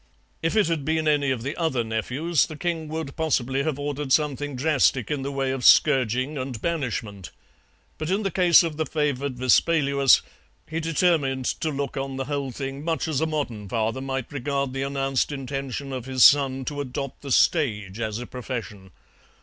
If it had been any of the other nephews the king would possibly have ordered something drastic in the way of scourging and banishment, but in the case of the favoured Vespaluus he determined to look on the whole thing much as a modern father might regard the announced intention of his son to adopt the stage as a profession.